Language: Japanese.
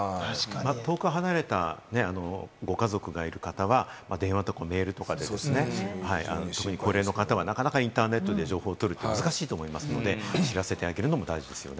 遠く離れたご家族がいる方は電話とかメールとかで特に高齢の方はなかなかインターネットで情報を取るって難しいと思いますので、知らせてあげるのも大事ですよね。